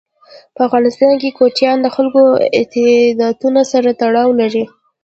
په افغانستان کې کوچیان د خلکو د اعتقاداتو سره تړاو لري.